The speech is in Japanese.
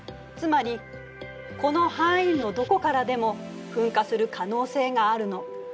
つまりこの範囲のどこからでも噴火する可能性があるの。